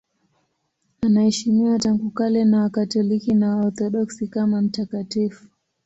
Anaheshimiwa tangu kale na Wakatoliki na Waorthodoksi kama mtakatifu.